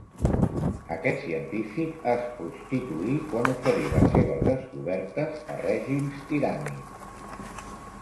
Aquest científic es prostituí quan oferí les seves descobertes a règims tirànics.